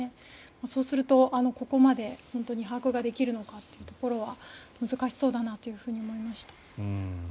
そうすると、ここまで把握が本当にできるのかというのは難しそうだなと思いました。